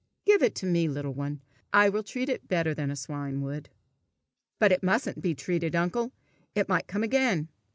"Give it to me, little one. I will treat it better than a swine would." "But it mustn't be treated, uncle! It might come again!"